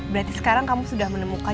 berarti sekarang kamu sudah menemukan